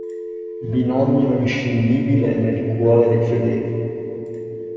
Binomio inscindibile nel cuore dei fedeli!